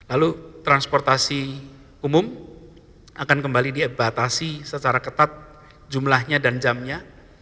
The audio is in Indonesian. lalu transportasi umum akan kembali dibatasi secara ketat jumlahnya dan jamnya